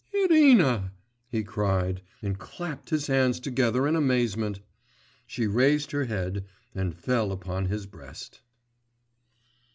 'Irina,' he cried, and clapped his hands together in amazement.... She raised her head and fell upon his breast.